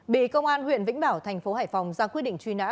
bị công an huyện vĩnh bảo tp hải phòng ra quyết định truy nã